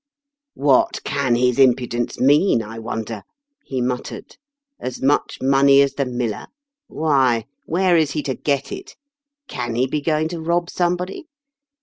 " What can his impudence mean, I wonder?" he muttered. *' As much money as the miller ! Why, where is he to get it ? Can he be going to rob somebody